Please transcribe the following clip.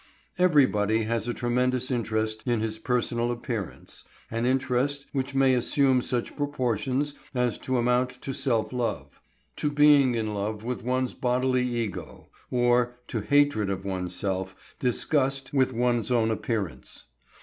Everybody has a tremendous interest in his personal appearance, an interest which may assume such proportions as to amount to self love, to being in love with one's bodily ego, or to hatred of one's self, disgust with one's own appearance.